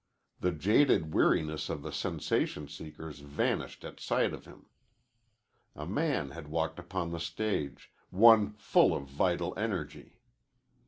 The jaded weariness of the sensation seekers vanished at sight of him. A man had walked upon the stage, one full of vital energy.